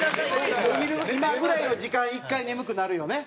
今ぐらいの時間１回眠くなるよね。